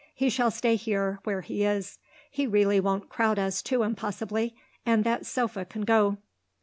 He shall stay here, where he is. He really won't crowd us too impossibly, and that sofa can go."